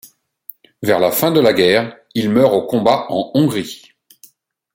Vers la fin de la guerre il meurt au combat en Hongrie.